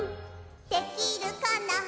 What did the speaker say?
「できるかな」